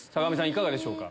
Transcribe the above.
いかがでしょうか？